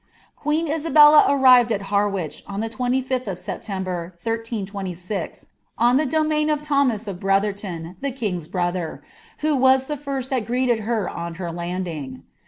'' Queen Isabella arrived at Harwich on the 35th of SeplKtober, ISM^' on the domain of Thomas of Brotherton, the king's brother, who *■ the lirsl that greeted her on her landing.'